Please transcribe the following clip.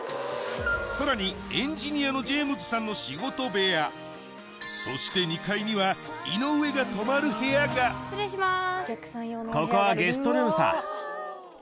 さらにエンジニアのジェームズさんの仕事部屋そして２階には失礼します。